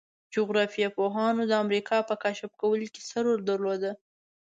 جغرافیه پوهانو د امریکا په کشف کولو کې څه رول درلود؟